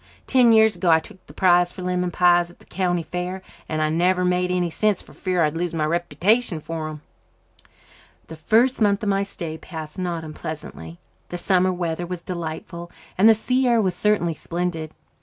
Ten years ago I took the prize for lemon pies at the county fair, and I've never made any since for fear I'd lose my reputation for them." The first month of my stay passed not unpleasantly. The summer weather was delightful, and the sea air was certainly splendid.